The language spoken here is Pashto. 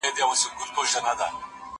زه هره ورځ د تکړښت لپاره ځم!!